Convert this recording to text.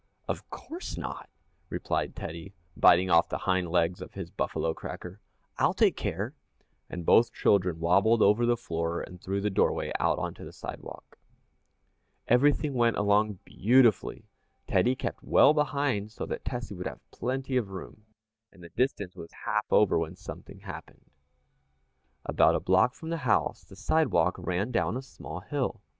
"Of course not," replied Teddy, biting off the hind legs of his buffalo cracker. "I'll take care," and both children wabbled over the floor and through the doorway out onto the sidewalk. [Illustration: Crash! There Were Scrambled Eggs All Over the Walk.] Everything went along beautifully. Teddy kept well behind so that Tessie would have plenty of room, and the distance was half over, when something happened. About a block from the house, the sidewalk ran down a small hill.